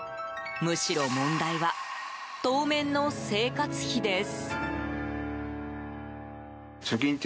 むしろ問題は当面の生活費です。